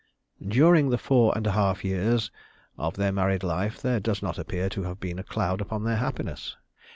During the four years and a half of their married life there does not appear to have been a cloud upon their happiness.